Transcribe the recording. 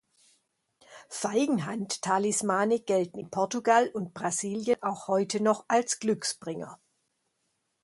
Feigenhand-Talismane gelten in Portugal und Brasilien auch heute noch als Glücksbringer.